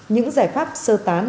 những giải pháp sơ tán